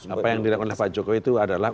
apa yang dilakukan oleh pak jokowi itu adalah